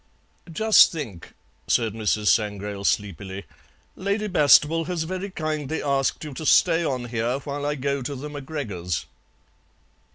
"Just think," said Mrs. Sangrail sleepily; "Lady Bastable has very kindly asked you to stay on here while I go to the MacGregors'."